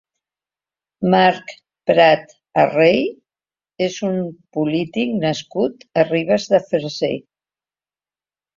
Marc Prat Arrey és un polític nascut a Ribes de Freser.